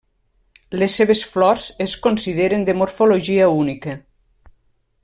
Les seves flors es consideren de morfologia única.